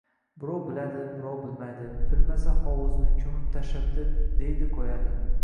Birov biladi, birov bilmaydi. Bilmasa, hovuzni ko‘mib tashlabdi, deydi-qo‘yadi.